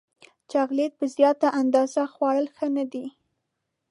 چاکلېټ په زیاته اندازه خوړل ښه نه دي.